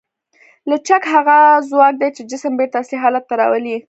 لچک هغه ځواک دی چې جسم بېرته اصلي حالت ته راولي.